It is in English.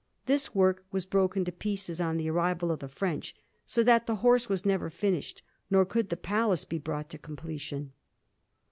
This work was broken to pieces on the arrival of the French, so that the horse was never finished; nor could the palace be brought to completion.